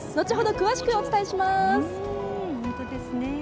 詳しくお伝えします！